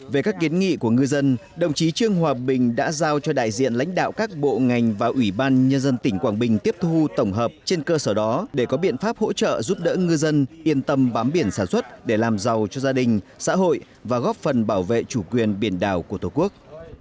về các kiến nghị của ngư dân đồng chí trương hòa bình đã giao cho đại diện lãnh đạo các bộ ngành và ủy ban nhân dân tỉnh quảng bình tiếp thu tổng hợp trên cơ sở đó để có biện pháp hỗ trợ giúp đỡ ngư dân yên tâm bám biển sản xuất để làm giàu cho gia đình xã hội và góp phần bảo vệ chủ quyền biển đảo của tổ quốc